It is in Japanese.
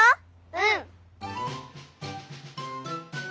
うん。